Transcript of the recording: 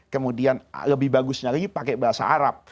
kemudian lebih bagusnya lagi pakai bahasa arab